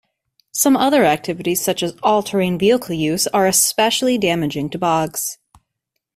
Some other activities, such as all-terrain vehicle use, are especially damaging to bogs.